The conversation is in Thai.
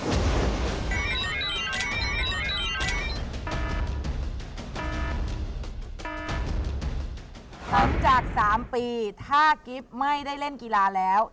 หลังจาก๓ปีถ้ากิฟต์ไม่ได้เล่นกีฬาแล้ว